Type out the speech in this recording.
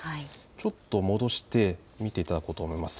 ちょっと戻して見ていただこうと思います。